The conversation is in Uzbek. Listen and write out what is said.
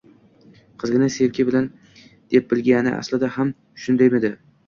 Qizgina sevgi deb bilgani aslida ham shundaymidi